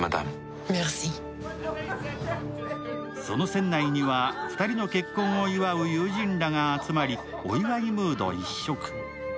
その船内には２人の結婚を祝う友人らが集まりお祝いムード一色。